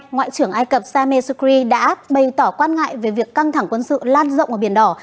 ngoại trưởng ai cập sameh sukri đã bày tỏ quan ngại về việc căng thẳng quân sự lan rộng ở biển đỏ